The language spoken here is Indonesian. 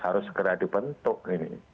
harus segera dibentuk ini